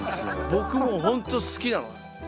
僕もう本当好きなの。